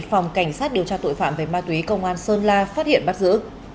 phòng cảnh sát điều tra tội phạm về ma túy công an sơn la phát hiện bắt giữ